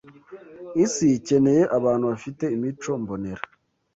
Isi ikeneye abantu bafite imico mbonera